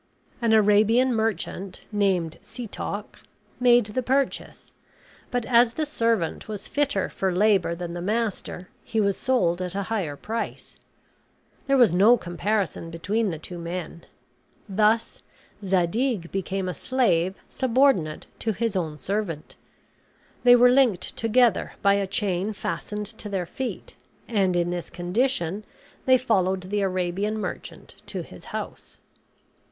An Arabian merchant, named Setoc, made the purchase; but as the servant was fitter for labor than the master, he was sold at a higher price. There was no comparison between the two men. Thus Zadig became a slave subordinate to his own servant. They were linked together by a chain fastened to their feet, and in this condition they followed the Arabian merchant to his house.